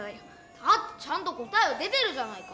だってちゃんと答えは出てるじゃないか！